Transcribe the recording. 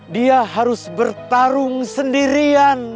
dia harus bertarung sendirian